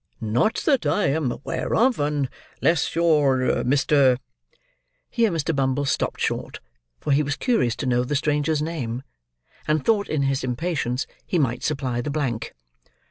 "Not that I am aware of, unless you're Mr.—" Here Mr. Bumble stopped short; for he was curious to know the stranger's name, and thought in his impatience, he might supply the blank.